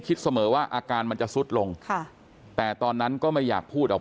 คิดเสมอว่าอาการมันจะสุดลงค่ะแต่ตอนนั้นก็ไม่อยากพูดออก